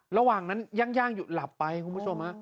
ระหว่างนั้นย่างอยู่หลับไปคุณผู้ชมฮะ